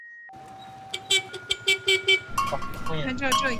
越看越起劲